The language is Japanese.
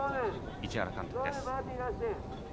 市原監督です。